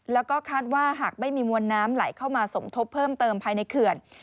แล้วก็คาดว่าหากไม่มีมวลน้ำไหลเข้ามาสมทบเพิ่มเติมภายในเขื่อน